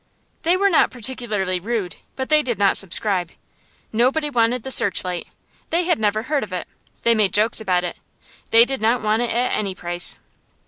They were not particularly rude, but they did not subscribe. Nobody wanted the "Searchlight." They had never heard of it they made jokes about it they did not want it at any price.